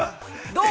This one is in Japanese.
どう？